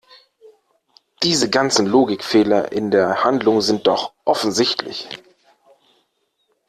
Diese ganzen Logikfehler in der Handlung sind doch offensichtlich!